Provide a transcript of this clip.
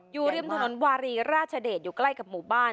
อยู่ริมถนนวารีราชเดชอยู่ใกล้กับหมู่บ้าน